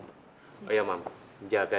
terima kasih om